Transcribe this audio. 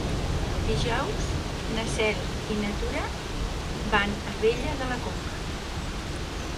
Dijous na Cel i na Tura van a Abella de la Conca.